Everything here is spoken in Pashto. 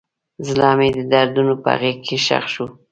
زړه مې د دردونو په غیږ کې ښخ شو.